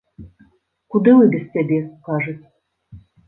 Куды мы без цябе, кажуць?